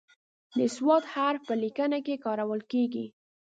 د "ص" حرف په لیکنه کې کارول کیږي.